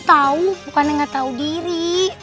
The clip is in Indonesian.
tahu bukan yang gak tahu diri